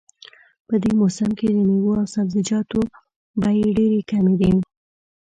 په دې موسم کې د میوو او سبزیجاتو بیې ډېرې کمې وي